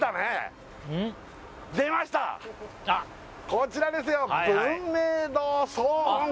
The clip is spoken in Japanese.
こちらですよ